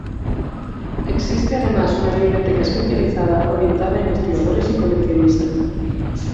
Existe además una biblioteca especializada orientada a investigadores y coleccionistas.